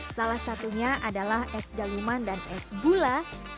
salah satunya adalah es daluman dan es gula